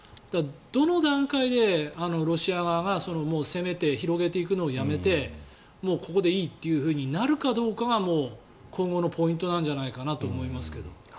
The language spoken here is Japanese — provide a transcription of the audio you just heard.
どの段階でロシア側がもう広げていくのをやめてもうここでいいというふうになるかどうかが今後のポイントなんじゃないかなと思いますが。